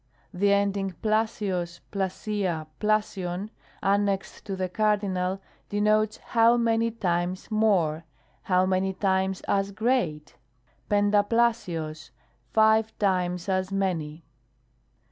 6. The ending TtXdacog, la, lov, annexed to the cardinal, denotes, "how many times more," "how many times as great;" ntvraTzXdoc og, "five times as many."